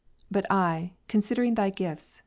28. But I, considering Thy gifts.